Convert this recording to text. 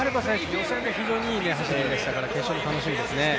予選で非常にいい走りでしたから、決勝も楽しみですね。